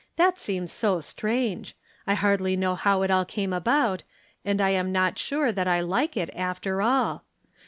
That seems so strange. I hardly know how it all came about, and I am not sure that I Hke it, after all.